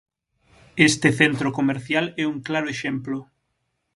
Este centro comercial é un claro exemplo.